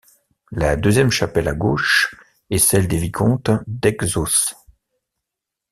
La deuxième chapelle à gauche est celle des vicomtes d'Etxauz.